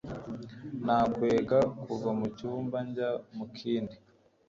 nakwega kuva mucyumba njya mu kindi